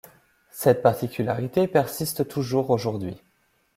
Cette particularité persiste toujours aujourd'hui.